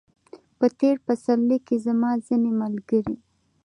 په تېر پسرلي کې زما ځینې ملګري